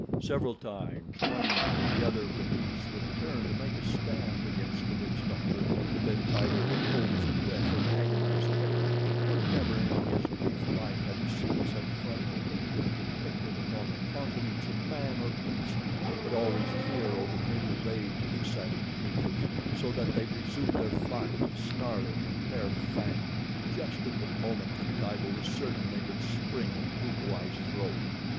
Several times one or the other of the beasts would turn to make a stand against the witch doctor, and then Tibo would hold his breath in agonized terror, for never in his brief life had he seen such frightful hatred depicted upon the countenance of man or beast; but always fear overcame the rage of the savage creatures, so that they resumed their flight, snarling and bare fanged, just at the moment that Tibo was certain they would spring at Bukawai's throat.